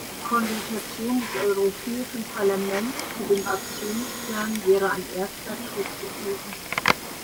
Die Konsultation des Europäischen Parlaments zu dem Aktionsplan wäre ein erster Schritt gewesen.